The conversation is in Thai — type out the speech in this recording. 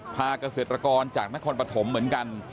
พาเกษตรกรจากนครปฐมเหมือนกัน